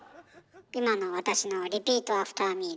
今の私のをリピートアフターミー。